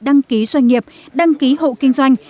đăng ký doanh nghiệp đăng ký hộ kinh doanh